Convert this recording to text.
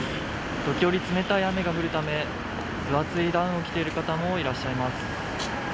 時折冷たい雨が降るため、分厚いダウンを着ている方もいらっしゃいます。